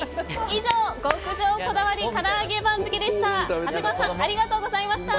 以上極上こだわり唐揚げ番付でした。